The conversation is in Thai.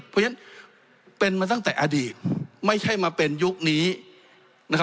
เพราะฉะนั้นเป็นมาตั้งแต่อดีตไม่ใช่มาเป็นยุคนี้นะครับ